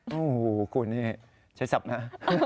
โอ้โหคุณนี่ใช้ศัพท์นะ